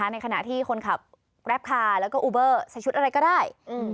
ในขณะที่คนขับแรปคาร์แล้วก็อูเบอร์ใส่ชุดอะไรก็ได้